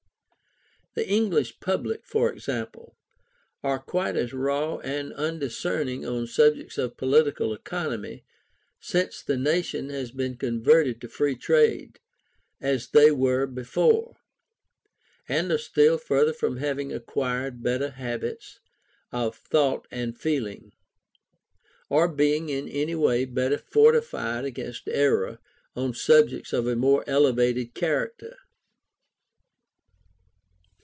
The English public, for example, are quite as raw and undiscerning on subjects of political economy since the nation has been converted to free trade, as they were before; and are still further from having acquired better habits of thought and feeling, or being in any way better fortified against error, on subjects of a more elevated character.